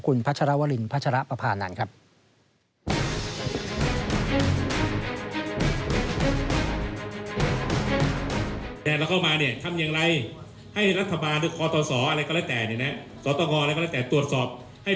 คุณพัชรวรินพัชรปภานันทร์ครับ